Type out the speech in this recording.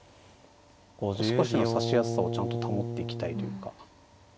少しの指しやすさをちゃんと保っていきたいというか。